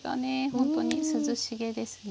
ほんとに涼しげですね。